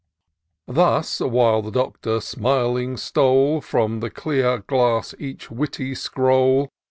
Thus, while the Doctor smiling stole From the clear glass each witty scroll.